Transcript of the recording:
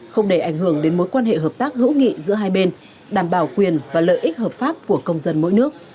không để ảnh hưởng đến mối quan hệ hợp tác hữu nghị giữa hai bên đảm bảo quyền và lợi ích hợp pháp của công dân mỗi nước